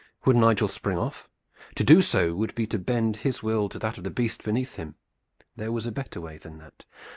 Would Nigel spring off? To do so would be to bend his will to that of the beast beneath him. There was a better way than that.